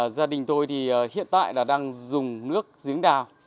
gia đình tôi thì hiện tại là đang dùng nước giếng đào